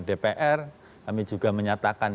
dpr kami juga menyatakan